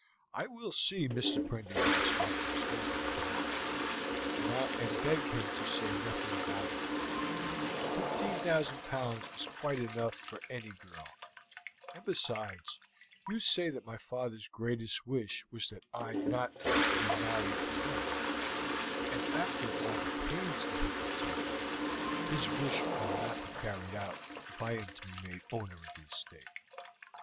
I will see Mr. Prendergast when he comes down tomorrow, and beg him to say nothing about it; 15,000 pounds is quite enough for any girl; and besides, you say that my father's greatest wish was that I was not to be married for money, and after all the pains that have been taken, his wish will not be carried out if I am to be made owner of the estate."